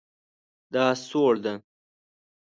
دا سوړ ده